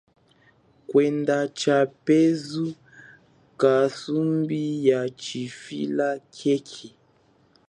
Kwenda tshaphezu kasumbi yatshivila khekhe.